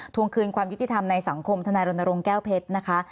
วงคืนความยุติธรรมในสังคมธนายรณรงค์แก้วเพชรนะคะ